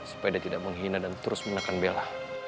supaya dia tidak menghina dan terus menekan bela